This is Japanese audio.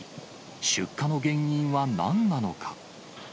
出火の原因はなんなのか。